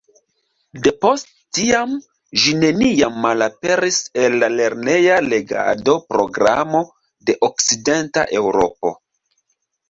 Depost tiam ĝi neniam malaperis el la lerneja legado-programo de okcidenta Eŭropo.